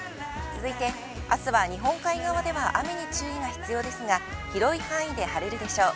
続いて、あすは日本海側では雨に注意が必要ですが、広い範囲で晴れるでしょう。